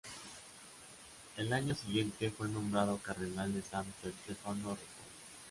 El año siguiente fue nombrado cardenal de Santo Stefano Rotondo.